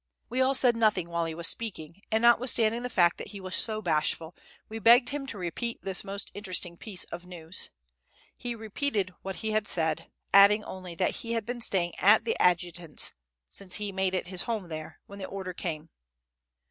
We all said nothing while he was speaking; and notwithstanding the fact that he was so bashful, we begged him to repeat this most interesting piece of news. He repeated what he had said, adding only that he had been staying at the adjutant's (since he made it his home there) when the order came.